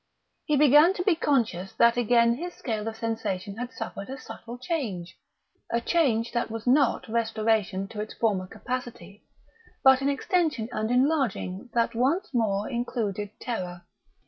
He began to be conscious that again his scale of sensation had suffered a subtle change a change that was not restoration to its former capacity, but an extension and enlarging that once more included terror.